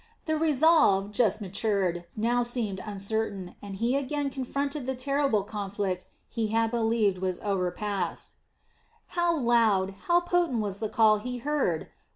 The resolve just matured, now seemed uncertain, and he again confronted the terrible conflict he had believed was overpast. How loud, how potent was the call he heard!